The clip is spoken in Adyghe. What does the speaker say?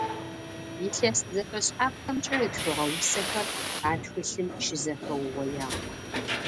Илъэс зэфэшъхьафхэмкӏэ ытхыгъэ усэхэр а тхылъым щызэхэугъоягъ.